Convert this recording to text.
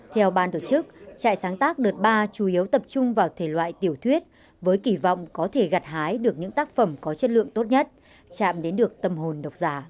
theo ban tổ chức trại sáng tác đợt ba chủ yếu tập trung vào thể loại tiểu thuyết với kỳ vọng có thể gặt hái được những tác phẩm có chất lượng tốt nhất chạm đến được tâm hồn độc giả